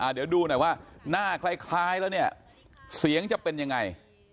เดี๋ยวดูหน่อยว่าหน้าคล้ายแล้วเนี่ยเสียงจะเป็นยังไง